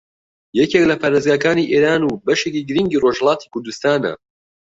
یەکێک لە پارێزگاکانی ئێران و بەشێکی گرینگی ڕۆژھەڵاتی کوردستانە